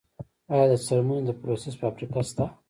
آیا د څرمنې د پروسس فابریکې شته؟